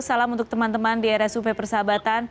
salam untuk teman teman di rsup persahabatan